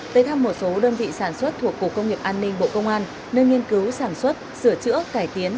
tới thăm một số đơn vị sản xuất thuộc cục công nghiệp an ninh bộ công an nơi nghiên cứu sản xuất sửa chữa cải tiến